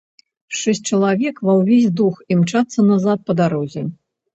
Шэсць чалавек ва ўвесь дух імчацца назад па дарозе.